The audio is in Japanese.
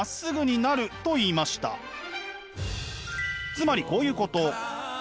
つまりこういうこと。